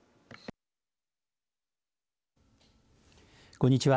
こんにちは。